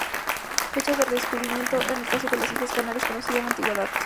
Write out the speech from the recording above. Fecha de redescubrimiento en el caso de las islas Canarias, conocidas en la antigüedad.